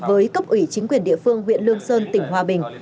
với cấp ủy chính quyền địa phương huyện lương sơn tỉnh hòa bình